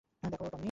দেখ, টমি।